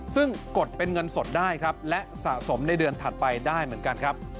ซึ่งกดเป็นเงินสดได้ครับและสะสมในเดือนถัดไปได้เหมือนกันครับ